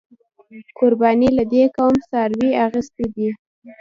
قربانۍ له دې کوم څاروې اغستی دی؟